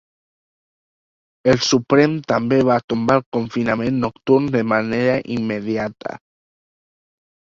El Suprem també va tombar el confinament nocturn de manera immediata.